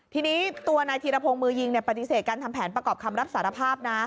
ทีนี้ตัวนายธีรพงศ์มือยิงปฏิเสธการทำแผนประกอบคำรับสารภาพนะ